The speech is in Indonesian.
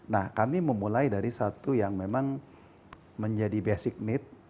nah kami memulai dari satu yang memang menjadi basic need